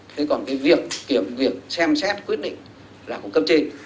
thế còn cái việc kiểm việc xem xét quyết định là của cấp trên